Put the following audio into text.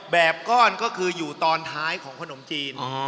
ก้อนก็คืออยู่ตอนท้ายของขนมจีน